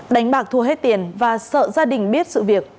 đánh bạc thua hết tiền và sợ gia đình biết sự việc